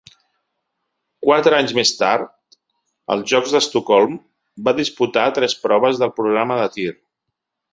Quatre anys més tard, als Jocs d'Estocolm, va disputar tres proves del programa de tir.